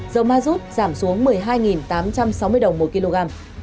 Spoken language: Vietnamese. dầu ma rút giảm xuống một mươi hai tám trăm sáu mươi đồng một kg